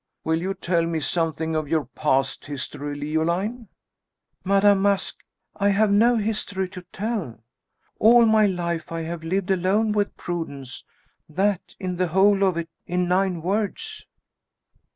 Will you tell me something of your past history, Leoline?" "Madame Masque, I have no history to tell. All my life I have lived alone with Prudence; that in the whole of it in nine words."